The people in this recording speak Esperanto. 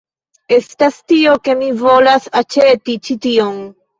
estas tio, ke mi volas aĉeti ĉi tion.